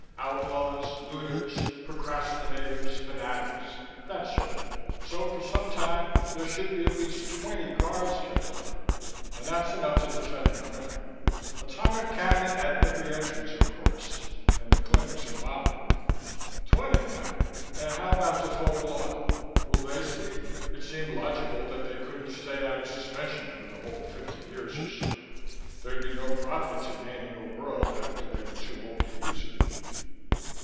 Outlaws, looters, procrastinators, fanatics. That sort. So for some time, there should be at least twenty guards kept alert. And that's enough to defend a clinic. Atomic cannon at every entrance, of course, and the clinics are bomb proof." "Twenty, eh? And how about Defoe and Lawton? Will they sleep?" It seemed logical that they couldn't stay out of suspension for the whole fifty years or so. There'd be no profit to gaining a world after they were too old to use it.